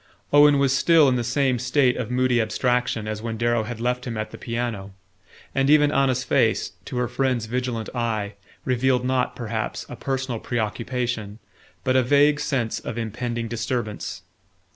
Owen was still in the same state of moody abstraction as when Darrow had left him at the piano; and even Anna's face, to her friend's vigilant eye, revealed not, perhaps, a personal preoccupation, but a vague sense of impending disturbance.